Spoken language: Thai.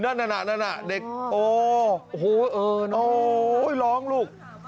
นั่นนั่นเด็กโอ้โฮโอ้โฮร้องลูก